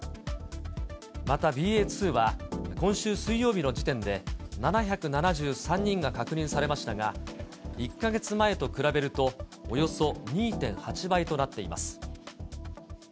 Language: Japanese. またＢＡ．２は、今週水曜日の時点で７７３人が確認されましたが、１か月前と比べるとおよそ２．８倍となっています。